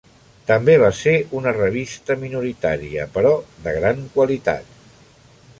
També va ser una revista minoritària, però de gran qualitat.